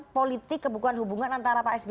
politik kebekuan hubungan antara pak sb